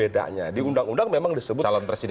di undang undang memang disebut